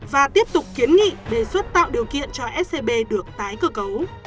và tiếp tục kiến nghị đề xuất tạo điều kiện cho scb được tái cơ cấu